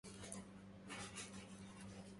لئن قل صبر فالمصاب عظيم